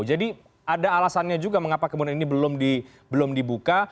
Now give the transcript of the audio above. jadi ada alasannya juga mengapa kemudian ini belum dibuka